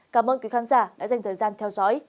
cảm ơn quý khán giả đã dành thời gian theo dõi